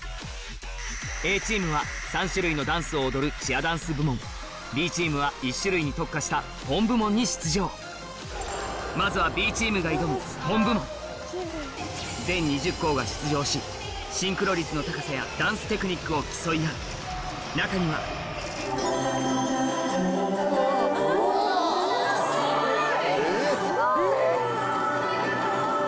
Ａ チームは３種類のダンスを踊る ＣｈｅｅｒＤａｎｃｅ 部門 Ｂ チームは１種類に特化した Ｐｏｍ 部門に出場まずは Ｂ チームが挑む Ｐｏｍ 部門シンクロ率の高さやダンステクニックを競い合う中には・すごい！